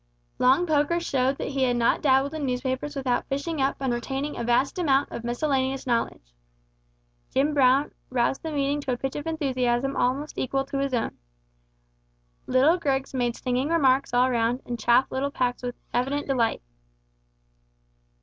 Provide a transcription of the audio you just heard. Long Poker showed that he had not dabbled in newspapers without fishing up and retaining a vast amount of miscellaneous knowledge. Jim Brown roused the meeting to a pitch of enthusiasm almost equal to his own. Little Grigs made stinging remarks all round, and chaffed little Pax with evident delight.